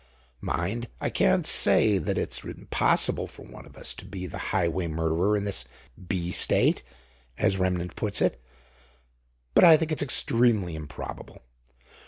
Mind, I can't say that it's impossible for one of us to be the Highway murderer in his B. state, as Remnant puts it. But I think it's extremely improbable.